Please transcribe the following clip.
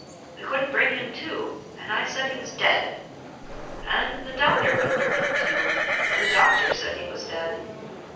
We couldn't bring him to, and I said he was dead. And, the doctor couldn't bring him to, and the doctor said he was dead.